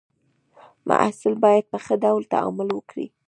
محصل باید په ښه ډول تعامل وکړي.